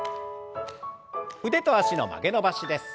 腕と脚の曲げ伸ばしです。